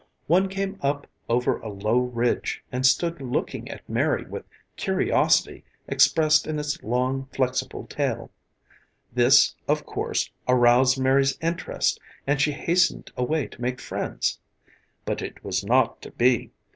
One came up over a low ridge and stood looking at Mary with curiosity expressed in its long, flexible tail. This, of course, aroused Mary's interest and she hastened away to make friends. But it was not to be.